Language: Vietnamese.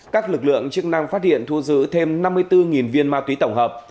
các lực lượng chức năng phát hiện thu giữ thêm năm mươi bốn viên ma túy tổng hợp